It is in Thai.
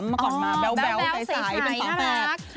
เมื่อก่อนมาแบ๊วใสเป็นฝาแฝด